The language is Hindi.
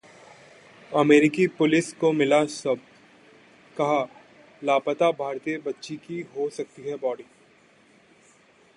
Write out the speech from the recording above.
अमेरिकी पुलिस को मिला शव, कहा- लापता भारतीय बच्ची की हो सकती है बॉडी